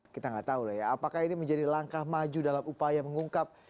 kita nggak tahu lah ya apakah ini menjadi langkah maju dalam upaya mengungkap